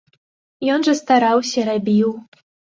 Ён жа стараўся, рабіў.